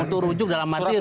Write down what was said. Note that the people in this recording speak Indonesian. untuk rujuk dalam arti rujuk